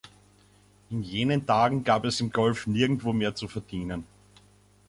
In jenen Tagen gab es im Golf nirgendwo mehr zu verdienen.